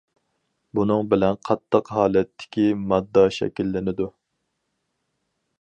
بۇنىڭ بىلەن قاتتىق ھالەتتىكى ماددا شەكىللىنىدۇ.